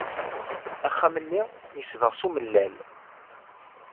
Axxam-nni yesbeɣ s umellal.